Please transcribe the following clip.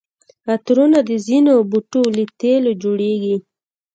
عطرونه د ځینو بوټو له تېلو جوړیږي.